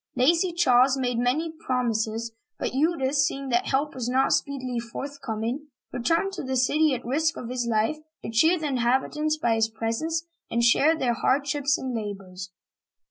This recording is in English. Lazy Charles made many prom ises, but Eudes, seeing that help was not speedily forth coming, returned to the city at the risk of his life, to cheer the inhabitants by his presence and share their hardships and labors.